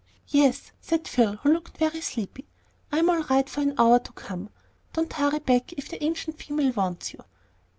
"Yes," said Phil, who looked very sleepy; "I'm all right for an hour to come. Don't hurry back if the ancient female wants you."